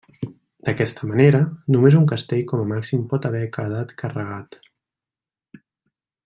D'aquesta manera, només un castell com a màxim pot haver quedat carregat.